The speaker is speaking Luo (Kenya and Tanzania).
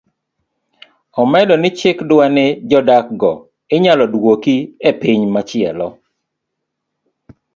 Omedo ni chik dwani jodak go inyalo duoki epiny machielo